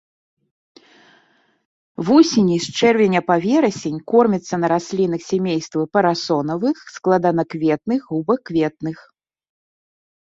Вусені з чэрвеня па верасень кормяцца на раслінах сямействаў парасонавых, складанакветных, губакветных.